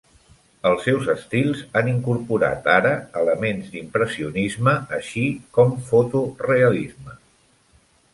Els seus estils han incorporat ara elements d'impressionisme així com fotorealisme.